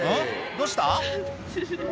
どうした？